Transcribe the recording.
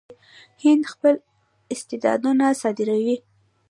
هند خپل استعدادونه صادروي.